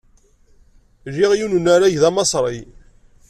Liɣ yiwen n unarag d amaṣri.